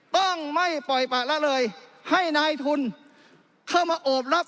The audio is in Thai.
ต้องไม่ปล่อยปะละเลยให้นายทุนเข้ามาโอบรับ